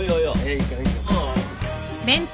いいからいいから。